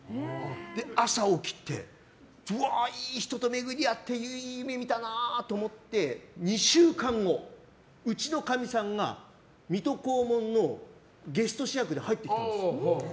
で、朝起きていい人と巡り会っていい夢見たなと思って２週間後、うちのかみさんが「水戸黄門」のゲスト主役で入ってきたんです。